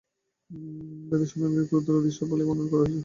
বেদে শয়তানকে ক্রোধের অধীশ্বর বলিয়া বর্ণনা করা হইয়াছে।